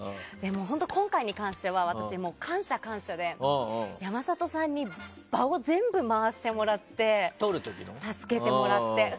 今回に関しては私は感謝、感謝で山里さんに場を全部回してもらって助けてもらって。